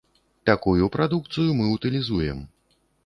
Такую прадукцыю мы ўтылізуем.